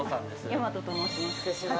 大和と申します。